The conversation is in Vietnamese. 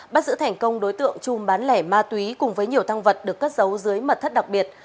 bắt giữ thành công đối tượng chung bán lẻ ma túy cùng với nhiều thăng vật được cất giấu dưới mật thất đặc biệt